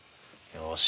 よし。